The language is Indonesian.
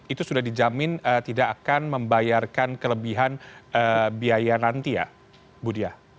itu sudah dijamin tidak akan membayarkan kelebihan biaya nanti ya bu dia